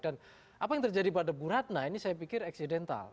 dan apa yang terjadi pada burhatna ini saya pikir eksidental